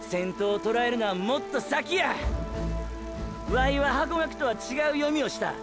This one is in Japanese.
ワイはハコガクとは違う読みをした。